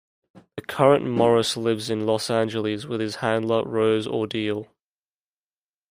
The current Morris lives in Los Angeles with his handler, Rose Ordile.